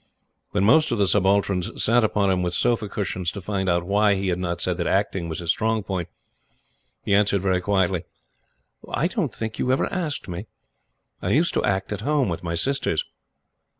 When most of the Subalterns sat upon him with sofa cushions to find out why he had not said that acting was his strong point, he answered very quietly: "I don't think you ever asked me. I used to act at Home with my sisters."